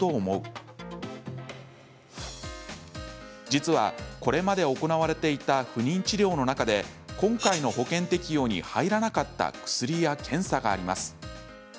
実は、これまで行われていた不妊治療の中で今回の保険適用に入らなかった薬や検査があります。